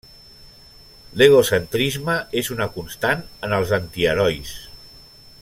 L'egocentrisme és una constant en els antiherois.